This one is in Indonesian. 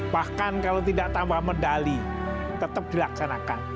bahkan kalau tidak tambah medali tetap dilaksanakan